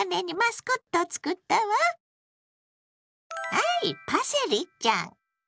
はいパセリちゃん。